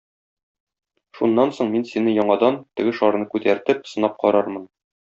Шуннан соң мин сине яңадан, теге шарны күтәртеп, сынап карармын.